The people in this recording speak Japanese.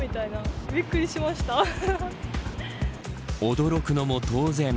驚くのも当然。